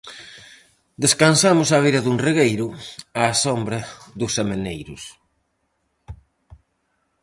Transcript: Descansamos á beira dun regueiro, á sombra dos ameneiros.